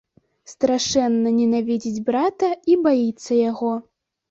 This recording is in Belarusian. Страшэнна ненавідзіць брата і баіцца яго.